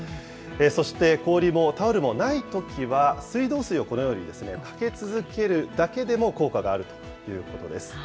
そして氷もタオルもないときは、水道水をこのようにかけ続けるだけでも効果があるということです。